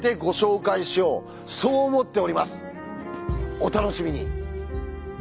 お楽しみに。